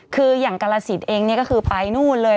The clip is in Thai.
คืออย่างกาลสินเองเนี่ยก็คือไปนู่นเลย